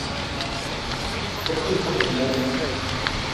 প্রস্তুত থাকুন, ম্যাভ।